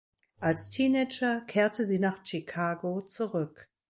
Als Teenager kehrte sie nach Chicago zurück.